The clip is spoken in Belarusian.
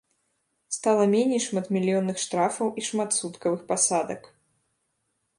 Стала меней шматмільённых штрафаў і шматсуткавых пасадак.